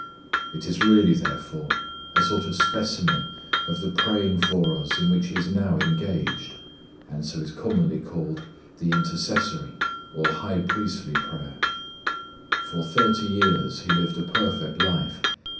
It is really, therefore, a sort of specimen of the praying for us in which He is now engaged, and so is commonly called the intercessory or high priestly prayer. For thirty years He lived a perfect life.